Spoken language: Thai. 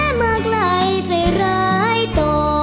แม่มากไหลใจร้ายต่อ